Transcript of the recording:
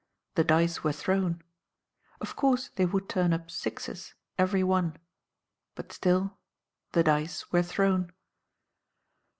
The dice were thrown. Of course they would turn up sixes, every one; but still the dice were thrown.